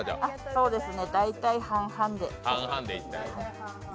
そうですね、大体半々で。